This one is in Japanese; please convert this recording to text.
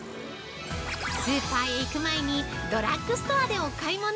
スーパーへ行く前にドラッグストアでお買い物！